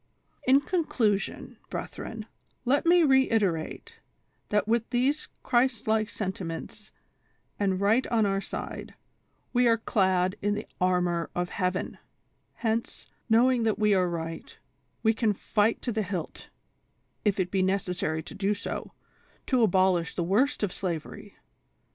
" In conclusion, brethren, let me reiterate that with these Christ like sentiments and right on our side, we are clad in the armor of heaven ; hence, knowing that we are right, we can fight to the hilt, if it be necessary to do so, to abolish the worst of slavery